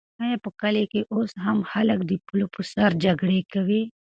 آیا په کلي کې اوس هم خلک د پولو په سر جګړې کوي؟